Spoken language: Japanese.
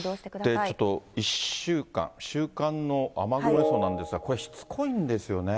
ちょっと１週間、週間の雨雲予想なんですが、これ、しつこいんですよね。